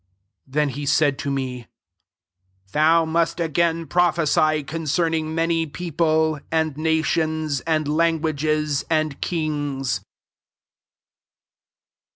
11 Then he said to me, « Thou must again prophesy concerning many people, and nations, and languages, and kings."